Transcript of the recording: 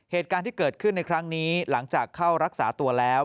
เหตุการณ์ที่เกิดขึ้นในครั้งนี้หลังจากเข้ารักษาตัวแล้ว